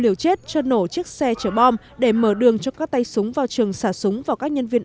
điều chết cho nổ chiếc xe chở bom để mở đường cho các tay súng vào trường xả súng vào các nhân viên